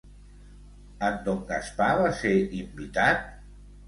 En don Gaspar va ser invitat?